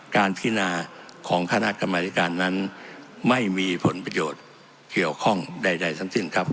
พินาของคณะกรรมธิการนั้นไม่มีผลประโยชน์เกี่ยวข้องใดทั้งสิ้นครับ